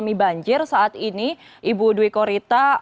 kami banjir saat ini ibu dwi korita